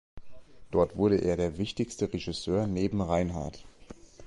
Dort wurde er der wichtigste Regisseur neben Reinhardt.